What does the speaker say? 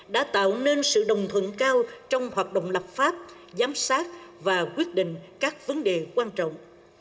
đã tạo nên sự đồng thuận cao trong hoạt động lập pháp giám sát và quyết định các vấn đề quan trọng